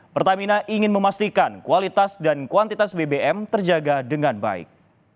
pertamina ingin memastikan kualitas dan kuantitas bbm terjaga dengan baik